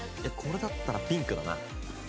これだったらピンクだな。